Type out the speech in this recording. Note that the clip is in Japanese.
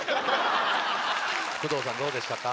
工藤さんどうでしたか？